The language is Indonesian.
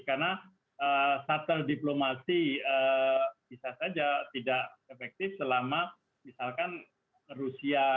karena satel diplomasi bisa saja tidak efektif selama misalkan rusia